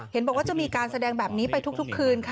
เห็นบอกว่าจะมีการแสดงแบบนี้ไปทุกคืนค่ะ